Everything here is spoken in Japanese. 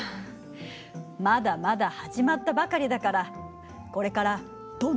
まだまだ始まったばかりだからこれからどんどん進化していくわよ。